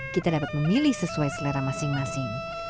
kita dapat memilih sesuai selera masing masing